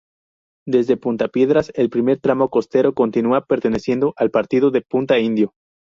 Desde punta Piedras, el primer tramo costero continúa perteneciendo al partido de Punta Indio.